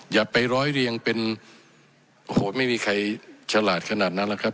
อย่าไปร้อยเรียงเป็นโอ้โหไม่มีใครฉลาดขนาดนั้นหรอกครับ